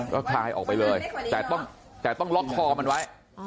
ก็คลายออกไปเลยแต่ต้องล็อกคอมันไว้